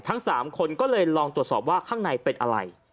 ทั้ง๓คนก็เลยลองตรวจสอบว่าข้างในเป็นอะไร